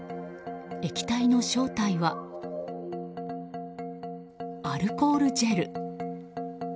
液体の正体は、アルコールジェル。